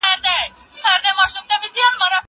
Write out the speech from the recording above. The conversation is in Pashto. هغه څوک چي درس لولي بريالی کيږي؟